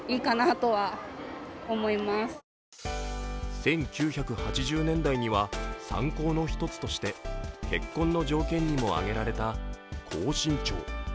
１９８０年代には、三高の１つとして結婚の条件にもあげられた高身長。